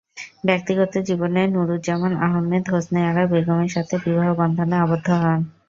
ব্যক্তিগত জীবনে নুরুজ্জামান আহমেদ, হোসনে আরা বেগমের সাথে বিবাহ বন্ধনে আবদ্ধ হন।